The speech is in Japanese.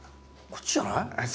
こっちじゃない？